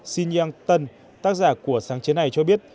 xin yang tan tác giả của sáng chế này cho biết